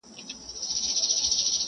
o خلک يو بل ملامتوي ډېر سخت,